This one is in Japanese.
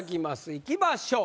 いきましょう。